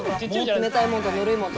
冷たいもんとぬるいもんとで。